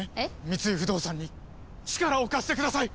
三井不動産に力を貸してください！